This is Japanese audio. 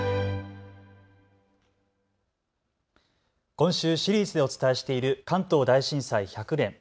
今週シリーズでお伝えしている関東大震災１００年。